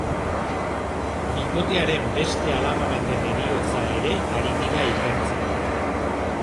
Bikotearen beste alaba baten heriotza ere ari dira ikertzen.